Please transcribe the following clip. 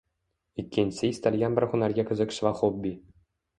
Ikkinchisi istalgan bir hunarga qiziqish va xobbi.